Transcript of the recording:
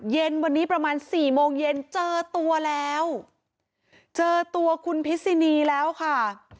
เย็นวันนี้ประมาณสี่โมงเย็นเจอตัวแล้วเจอตัวคุณพิษินีแล้วค่ะ